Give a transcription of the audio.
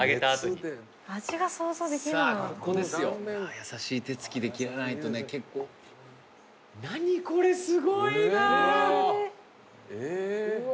やさしい手つきで切らないとね結構何これすごいなえうわ